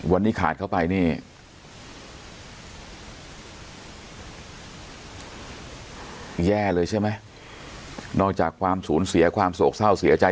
วันนี้ขาดเข้าไปนี่แย่เลยใช่ไหมนอกจากความสูญเสียความโศกเศร้าเสียใจ